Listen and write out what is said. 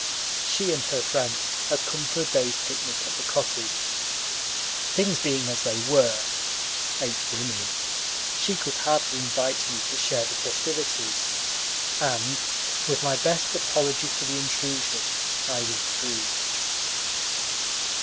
She and her friends had come for a day's picnic at the cottage. Things being as they were (eight women), she could hardly invite me to share the festivities, and, with my best apology for the intrusion, I withdrew.